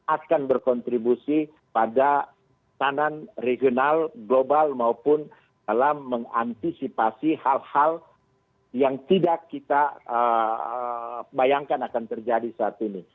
akan berkontribusi pada tanan regional global maupun dalam mengantisipasi hal hal yang tidak kita bayangkan akan terjadi saat ini